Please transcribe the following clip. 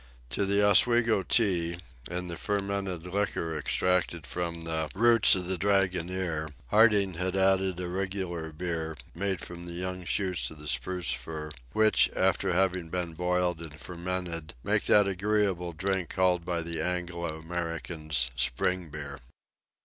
To the Oswego tea, and the fermented liquor extracted from the roots of the dragonnier, Harding had added a regular beer, made from the young shoots of the spruce fir, which, after having been boiled and fermented, made that agreeable drink called by the Anglo Americans spring beer.